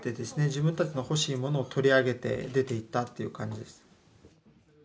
自分たちの欲しいものを取り上げて出ていったっていう感じです。